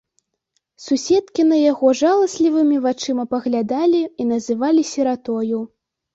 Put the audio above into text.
Суседкі на яго жаласлівымі вачыма паглядалі і называлі сіратою.